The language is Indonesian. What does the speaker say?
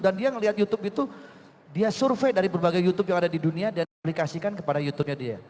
dan dia melihat youtube itu dia survei dari berbagai youtube yang ada di dunia dan aplikasikan kepada youtubenya dia